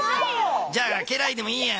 じゃあ家来でもいいや。